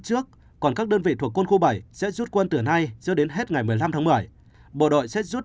trước còn các đơn vị thuộc quân khu bảy sẽ rút quân từ nay cho đến hết ngày một mươi năm tháng một mươi bộ đội sẽ rút